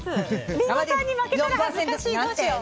リンゴさんに負けたら恥ずかしい。